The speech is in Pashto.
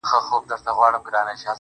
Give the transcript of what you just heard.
اوښکي دې توی کړلې ډېوې، راته راوبهيدې.